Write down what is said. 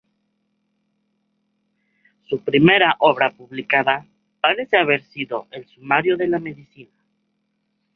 Su primera obra publicada parece haber sido el "Sumario de la medicina.